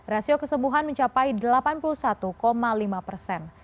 rasio kesembuhan mencapai delapan puluh satu lima persen